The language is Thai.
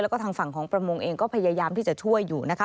แล้วก็ทางฝั่งของประมงเองก็พยายามที่จะช่วยอยู่นะคะ